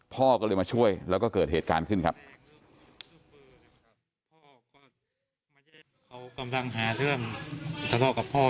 พ่อก็เลยมาช่วยแล้วก็เกิดเหตุการณ์ขึ้นครับ